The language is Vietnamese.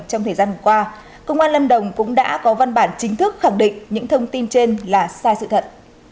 trong thời gian vừa qua công an lâm đồng cũng đã có văn bản chính thức khẳng định những thông tin trên là sai sự thật